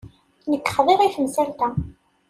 Nekk xḍiɣ i temsalt-a.